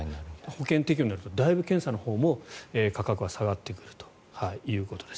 保険適用になるとだいぶ、検査のほうも価格は下がってくるということです。